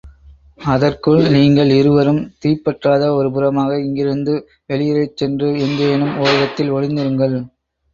அதற்குள் நீங்கள் இருவரும் தீப் பற்றாத ஒரு புறமாக இங்கிருந்து வெளியேறிச் சென்று எங்கேனும் ஒரிடத்தில் ஒளிந்திருங்கள்.